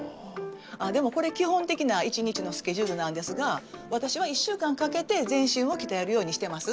あっでもこれ基本的な一日のスケジュールなんですが私は一週間かけて全身をきたえるようにしてます。